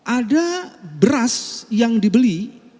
ada beras yang dibeli